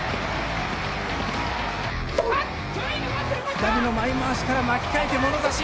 左の前まわしから巻き替えて、もろ差し。